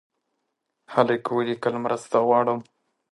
هلک ولیکل مرسته غواړم.